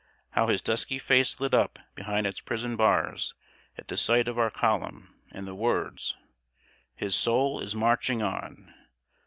How his dusky face lit up behind its prison bars at the sight of our column, and the words "His soul is marching on!"